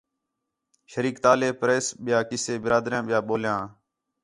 شریکتالے، پریس ٻِیا قِصّے، برادری ٻِیا ٻولیاں